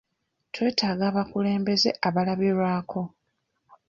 Twetaaga abakulembeze abalabirwako.